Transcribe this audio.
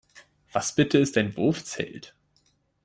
Was bitte ist ein Wurfzelt?